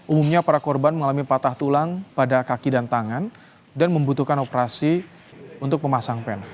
umumnya para korban mengalami patah tulang pada kaki dan tangan dan membutuhkan operasi untuk memasang pen